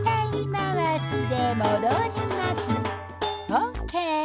オッケー。